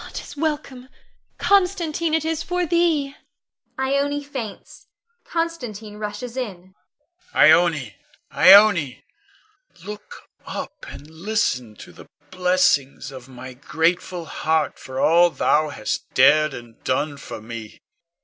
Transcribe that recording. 'T is welcome, Constantine, it is for thee! [Ione faints; Constantine rushes in. Con. Ione, Ione, look up and listen to the blessings of my grateful heart for all thou hast dared and done for me.